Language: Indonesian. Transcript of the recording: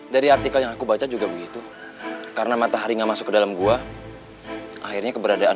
dari artikel yang aku baca juga begitu karena matahari nggak masuk ke dalam gua akhirnya keberadaan